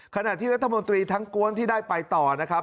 ขณะที่รัฐมนตรีทั้งกวนที่ได้ไปต่อนะครับ